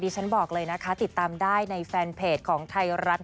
ฉันบอกเลยนะคะติดตามได้ในแฟนเพจของไทยรัฐ